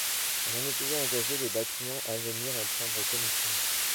Rien ne pouvait engager les bâtiments à venir en prendre connaissance.